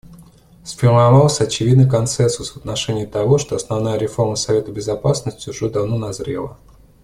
Сформировался очевидный консенсус в отношении того, что основная реформа Совета Безопасности уже давно назрела.